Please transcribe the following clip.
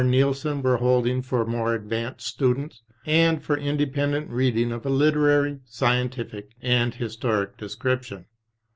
Nielsen were holding for more advanced students, and for independent reading of a literary, scientific and historic description.